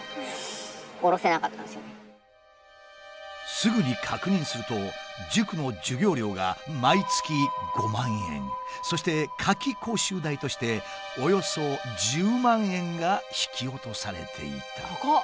すぐに確認すると塾の授業料が毎月５万円そして夏期講習代としておよそ１０万円が引き落とされていた。